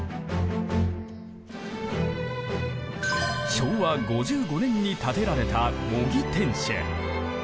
昭和５５年に建てられた模擬天守。